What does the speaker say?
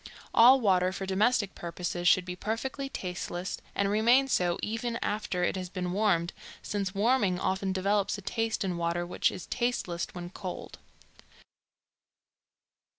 All water for domestic purposes should be perfectly tasteless, and remain so even after it has been warmed, since warming often develops a taste in water which is tasteless when cold.